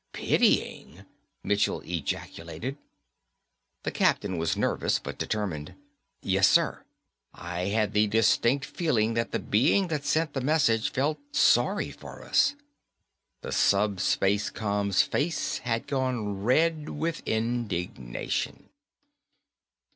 "Pitying!" Michell ejaculated. The captain was nervous but determined. "Yes, sir. I had the distinct feeling that the being that sent the message felt sorry for us." The SupSpaceCom's face had gone red with indignation.